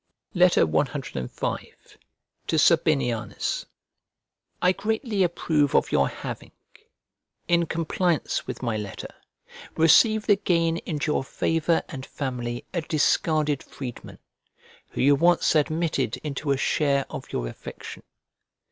CV To SABINIANUS I GREATLY approve of your having, in compliance with my letter, received again into your favour and family a discarded freedman, who you once admitted into a share of your affection.